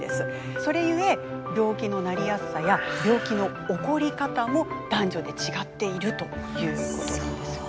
それゆえ病気のなりやすさや病気の起こり方も男女で違っているということなんですよ。